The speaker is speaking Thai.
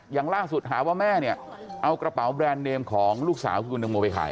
อย่างล่าสุดหาว่าแม่เนี่ยเอากระเป๋าแบรนด์เนมของลูกสาวคือคุณตังโมไปขาย